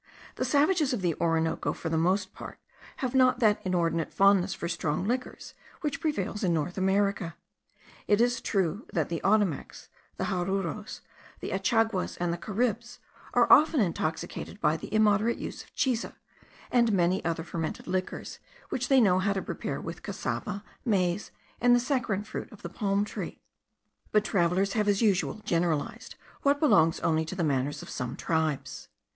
The savages of the Orinoco for the most part have not that inordinate fondness for strong liquors which prevails in North America. It is true that the Ottomacs, the Jaruros, the Achaguas, and the Caribs, are often intoxicated by the immoderate use of chiza and many other fermented liquors, which they know how to prepare with cassava, maize, and the saccharine fruit of the palm tree; but travellers have as usual generalized what belongs only to the manners of some tribes.